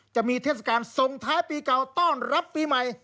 เทศกาลส่งท้ายปีเก่าต้อนรับปีใหม่